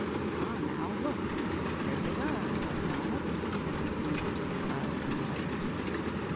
"Ah! now, look, there they are," cried Donald, as he pointed to the clouds in the lake.